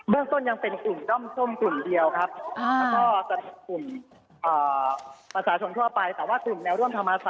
ด้อมส้มยังเป็นขุมด้อมส้มขุมเดียวครับ